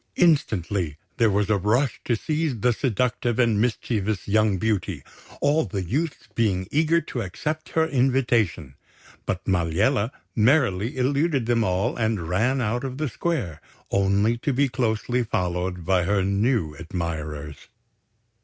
Instantly, there was a rush to seize the seductive and mischievous young beauty, all the youths being eager to accept her invitation; but Maliella merrily eluded them all and ran out of the square, only to be closely followed by her new admirers.